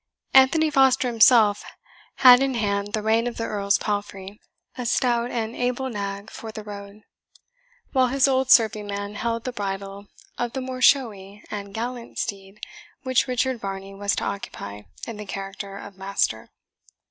Anthony Foster himself had in hand the rein of the Earl's palfrey, a stout and able nag for the road; while his old serving man held the bridle of the more showy and gallant steed which Richard Varney was to occupy in the character of master.